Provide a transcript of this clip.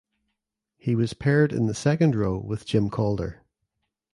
He was paired in the second row with Jim Calder.